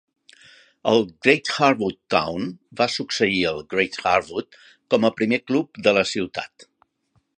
El Great Harwood Town va succeir el Great Harwood com a primer club de la ciutat.